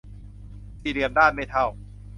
สี่เหลี่ยมด้านไม่เท่า